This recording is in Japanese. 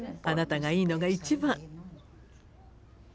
あなたがいいのが一番。